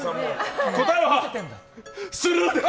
答えは、スルーです。